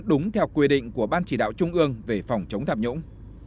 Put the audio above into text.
đúng theo quy định của ban chỉ đạo trung ương về phòng chống tham nhũng